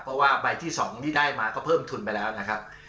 เพราะว่าใบที่๒ที่ได้มาก็เพิ่มทุนไปแล้วนะครับ